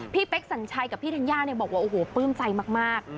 เป๊กสัญชัยกับพี่ธัญญาเนี่ยบอกว่าโอ้โหปลื้มใจมาก